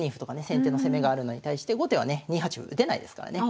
先手の攻めがあるのに対して後手はね２八歩打てないですからね。